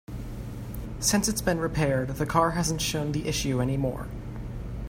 Since it's been repaired, the car hasn't shown the issue any more.